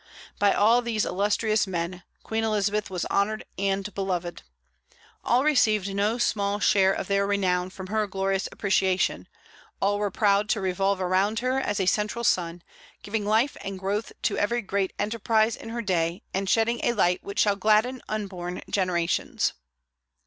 By all these illustrious men Queen Elizabeth was honored and beloved. All received no small share of their renown from her glorious appreciation; all were proud to revolve around her as a central sun, giving life and growth to every great enterprise in her day, and shedding a light which shall gladden unborn generations.